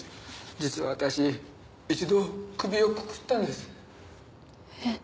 実は私一度首をくくったんです。え？